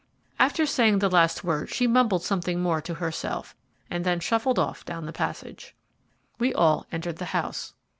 After saying the last words she mumbled something more to herself, and then shuffled off down the passage. We all entered the house.